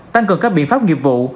tăng cường các biện pháp nghiệp vụ